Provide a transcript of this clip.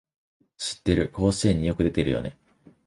知ってる、甲子園によく出るよね